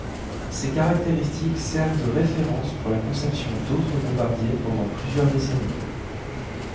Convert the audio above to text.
Ces caractéristiques servent de références pour la conception d'autres bombardiers pendant plusieurs décennies.